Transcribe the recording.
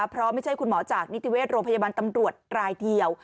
เพราะไม่ใช่คุณหมอจากนิติเวชโรงพยาบาลตำรวจรายเดียว